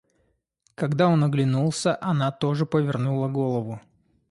Когда он оглянулся, она тоже повернула голову.